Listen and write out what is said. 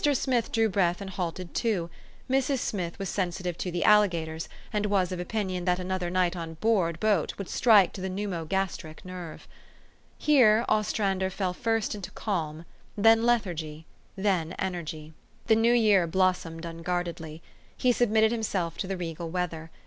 Smith drew breath and halted too. Mrs. Smith was sensitive to the alligators, and was of opin ion that another night on board boat would strike to the pneumo gastric nerve. Here Ostrander fell first into calm, then lethargy, then energy. The new year blossomed unguardedly. He sub mitted himself to the regal weather.